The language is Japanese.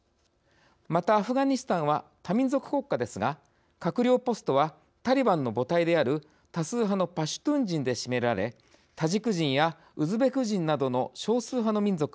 またアフガニスタンは多民族国家ですが閣僚ポストはタリバンの母体である多数派のパシュトゥン人で占められタジク人やウズベク人などの少数派の民族はごく僅かです。